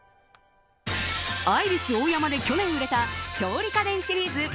アイリスオーヤマで去年売れた調理家電シリーズ